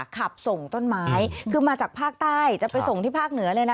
ขับส่งต้นไม้คือมาจากภาคใต้จะไปส่งที่ภาคเหนือเลยนะ